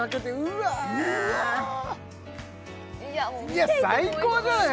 いや最高じゃない？